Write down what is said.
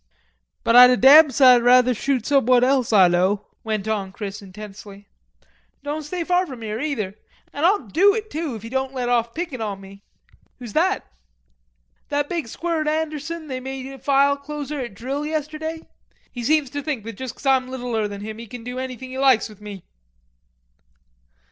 "But Ah'd a damn side rather shoot somebody else Ah know," went on Chris intensely. "Don't stay far from here either. An' Ah'll do it too, if he don't let off pickin' on me." "Who's that?" "That big squirt Anderson they made a file closer at drill yesterday. He seems to think that just because Ah'm littler than him he can do anything he likes with me."